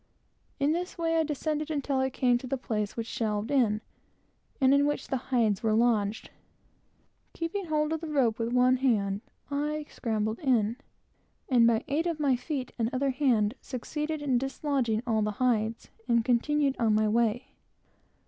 In this way I descended until I came to a place which shelved in, and in which the hides were lodged. Keeping hold of the rope with one hand, I scrambled in, and by the other hand and feet succeeded in dislodging all the hides, and continued on my way.